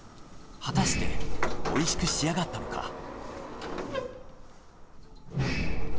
果たしておいしく仕上がったのか？